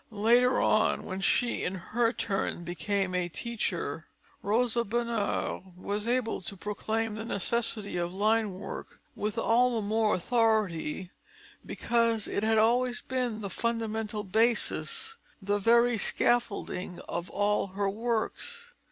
Later on, when she in her turn became a teacher, Rosa Bonheur was able to proclaim the necessity of line work with all the more authority because it had always been the fundamental basis, the very scaffolding of all her works.